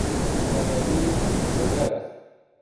جوانی زود گذر است.